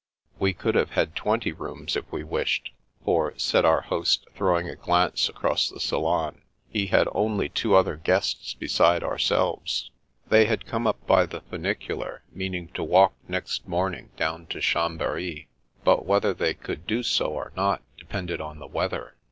We could have had twenty rooms if we wished, for, said our host, throwing a glance across the salon, he had only two other guests besides ourselves. They had come up by the funicular, meaning to walk next morning down to Chambery, but whether they could do so or not depended on the weather.